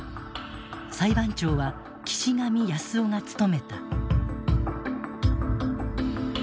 裁判長は岸上康夫が務めた。